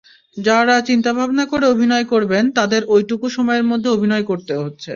যাঁরা ভাবনাচিন্তা করে অভিনয় করবেন, তাঁদেরও ওইটুকু সময়ের মধ্যে অভিনয় করতে হচ্ছে।